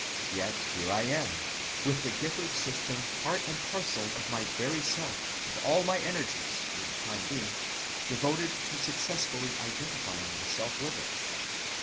Yet here I am, with the Gifford system part and parcel of my very self, and all my energies, for the time being, devoted to successfully identifying myself with it.